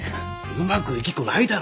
うまくいきっこないだろ。